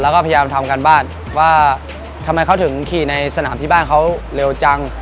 แล้วก็พยายามทำการบ้านว่าทำไมเขาถึงขี่ในสนามที่บ้านเขาเร็วจัง